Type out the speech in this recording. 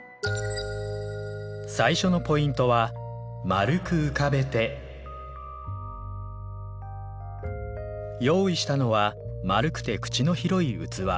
最初のポイントは用意したのは丸くて口の広い器。